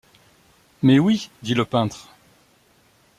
Mais oui, dit le peintre.